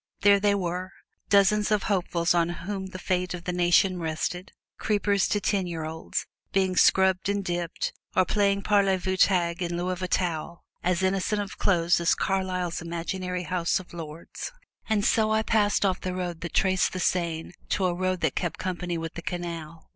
There they were, dozens of hopefuls on whom the fate of the nation rested creepers to ten year olds being scrubbed and dipped, or playing parlez vous tag in lieu of towel, as innocent of clothes as Carlyle's imaginary House of Lords. And so I passed off from the road that traced the Seine to a road that kept company with the canal.